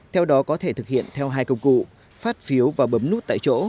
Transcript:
theo đó có thể thực hiện theo hai công cụ phát phiếu và bấm nút tại chỗ